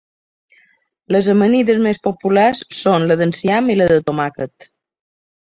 Les amanides més populars són la d'enciam i la de tomàquet.